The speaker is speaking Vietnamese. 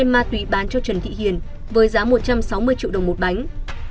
ma túy bán cho trần thị hiền với giá một trăm sáu mươi triệu đồng một bánh